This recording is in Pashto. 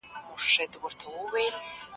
خاموشې شېبې یې د خبرو ځای نیولی دی.